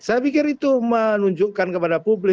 saya pikir itu menunjukkan kepada publik